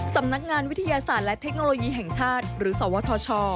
สำนักงานวิทยาศาสตร์และเทคโนโลยีแห่งชาติหรือสวทช